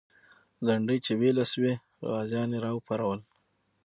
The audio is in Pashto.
لنډۍ چې ویلې سوې، غازیان یې راوپارول.